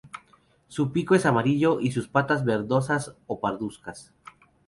Su pico es amarillo y sus patas verdosas o parduzcas.